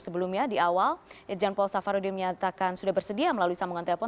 sebelumnya di awal irjen paul safarudin menyatakan sudah bersedia melalui sambungan telepon